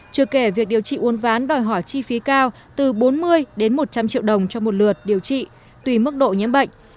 chưa kể việc điều trị uốn ván đòi hỏi chi phí cao từ bốn mươi đến một trăm linh triệu đồng cho một lượt điều trị tùy mức độ nhiễm bệnh